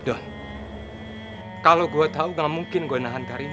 aku sudah selesai